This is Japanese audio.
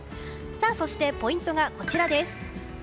そして、ポイントがこちらです。